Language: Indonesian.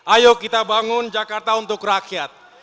ayo kita bangun jakarta untuk rakyat